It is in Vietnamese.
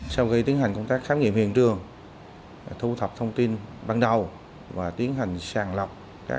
sau khi tiến hành công tác khám nghiệm hiện trường thu thập thông tin ban đầu và tiến hành sàng lọc